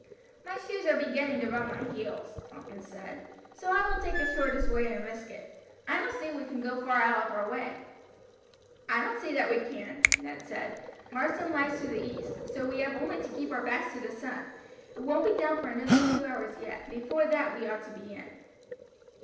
"My shoes are beginning to rub my heels," Tompkins said, "so I will take the shortest way and risk it. I don't see we can go far out of our way." "I don't see that we can," Ned replied. "Marsden lies to the east, so we have only to keep our backs to the sun; it won't be down for another two hours yet, and before that we ought to be in."